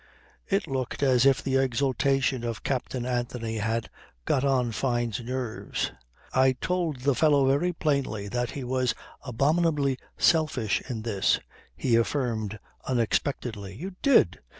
It looked as if the exultation of Captain Anthony had got on Fyne's nerves. "I told the fellow very plainly that he was abominably selfish in this," he affirmed unexpectedly. "You did!